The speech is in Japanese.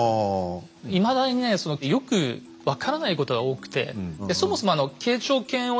いまだにねそのよく分からないことが多くてでそもそもなぜですか？